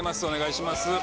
お願いします。